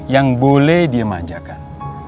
yang boleh dimanjakan